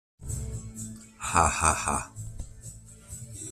Ja ja ja ja!